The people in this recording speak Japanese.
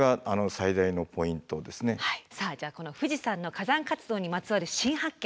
この富士山の火山活動にまつわる新発見